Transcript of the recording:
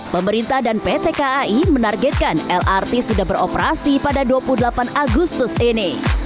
pemerintah dan pt kai menargetkan lrt sudah beroperasi pada dua puluh delapan agustus ini